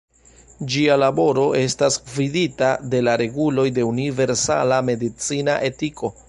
Ĝia laboro estas gvidita de la reguloj de universala medicina etiko.